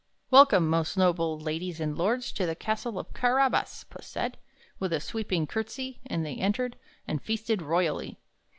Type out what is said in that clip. "Welcome, most noble ladies and lords, To the Castle of Carabas!" Puss said, with a sweeping courtesy; And they entered, and feasted royally.